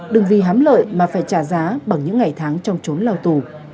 đừng vì hám lợi mà phải trả giá bằng những ngày tháng trong trốn lao tù